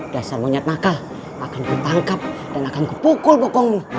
dasar monyet maka akan kutangkap dan akan kupukul bokongmu